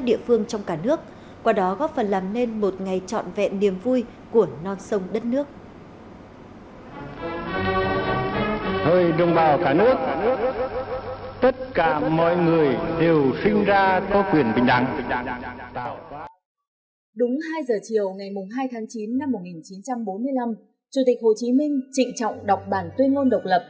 đúng hai giờ chiều ngày hai tháng chín năm một nghìn chín trăm bốn mươi năm chủ tịch hồ chí minh trịnh trọng đọc bản tuyên ngôn độc lập